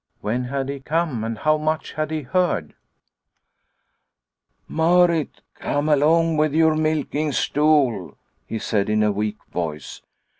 When had he come and how much had he heard ?" Marit, come along with your milking stool," he said in a weak voice.